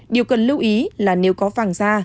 điều cần lưu ý là nếu có vàng da